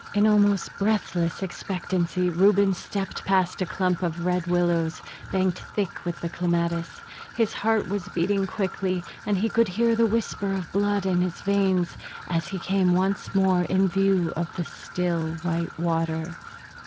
In almost breathless expectancy Reuben stepped past a clump of red willows, banked thick with clematis. His heart was beating quickly, and he could hear the whisper of the blood in his veins, as he came once more in view of the still, white water.